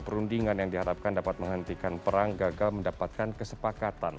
perundingan yang diharapkan dapat menghentikan perang gagal mendapatkan kesepakatan